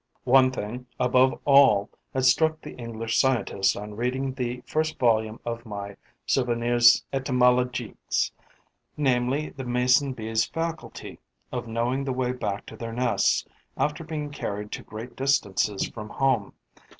One thing, above all, had struck the English scientist on reading the first volume of my "Souvenirs entomologiques", namely, the Mason bees' faculty of knowing the way back to their nests after being carried to great distances from home.